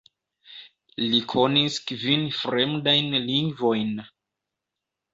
Li konis kvin fremdajn lingvojn.